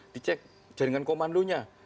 dicek jaringan komandonya